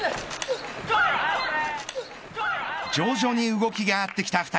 徐々に動きがあってきた